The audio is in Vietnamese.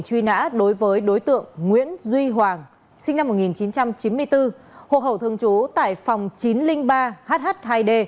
truy nã đối với đối tượng nguyễn duy hoàng sinh năm một nghìn chín trăm chín mươi bốn hộ khẩu thường trú tại phòng chín trăm linh ba hh hai d